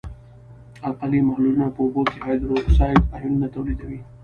القلي محلولونه په اوبو کې هایدروکساید آیونونه تولیدوي.